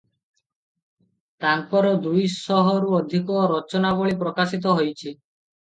ତାଙ୍କର ଦୁଇଶହରୁ ଅଧିକ ରଚନାବଳୀ ପ୍ରକାଶିତ ହୋଇଛି ।